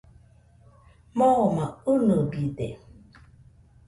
Moma inɨbide.